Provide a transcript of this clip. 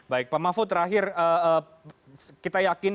baik pak mahfud terakhir kita yakin